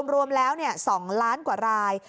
รวมแล้ว๒ล้านกว่าราย